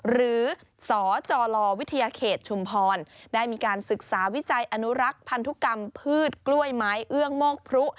หรือสจลวิทยาเขตชุมพรได้มีการศึกษาวิจัยอนุรักษ์พันธุกรรมพืชกล้วยไม้เอื้องโมกพรุ